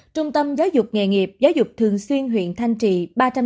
trung tâm giáo dục nghệ nghiệp giáo dục thường xuyên huyện thanh trị ba trăm linh dường